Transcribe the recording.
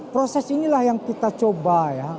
proses inilah yang kita coba ya